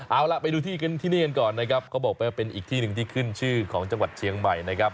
เอาล่ะไปดูที่นี่กันก่อนนะครับเขาบอกไปว่าเป็นอีกที่หนึ่งที่ขึ้นชื่อของจังหวัดเชียงใหม่นะครับ